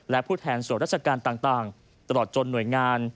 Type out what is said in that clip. และผู้แทนส่วนราชการต่างตลอดจนหน่วยงาน